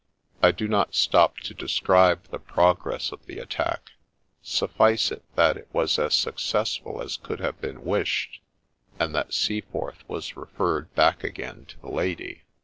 I shall not stop to describe the progress of the attack ; suffice it that it was as successful as could have been wished, and that Seaforth was referred back again to the lady.